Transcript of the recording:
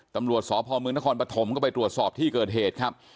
ตำรวจสพมนครปฐมก็ไปตรวจสอบที่เกิดเหตุครับ